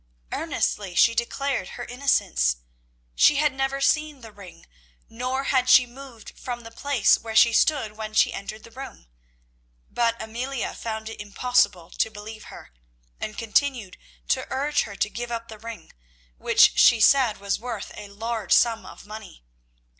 Earnestly she declared her innocence. She had never seen the ring, nor had she moved from the place where she stood when she entered the room. But Amelia found it impossible to believe her, and continued to urge her to give up the ring, which she said was worth a large sum of money.